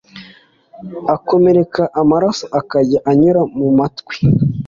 arakomereka amaraso akajya anyura mu matwi